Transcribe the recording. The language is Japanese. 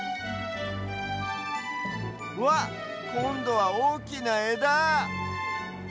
うわっこんどはおおきなえだ！